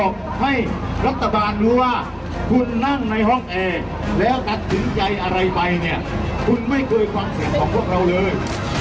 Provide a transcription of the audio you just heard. ดีกว่าคุณนั่งในห้องแอบและกัดถึงใจอะไรไปเนี่ยคุณไม่เคยฟังเสียงของพวกเราเลย